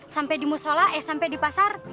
sampai di musola eh sampai di pasar